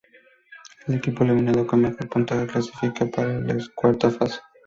El equipo eliminado con mejor puntaje clasifica para la cuarta fase.